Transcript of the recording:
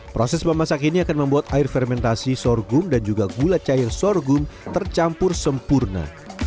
proses memasak ini akan membuat air fermentasi sorghum dan juga gula cair sorghum tercampur sempurna